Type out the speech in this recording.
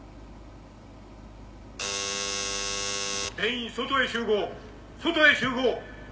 全員外へ集合外へ集合！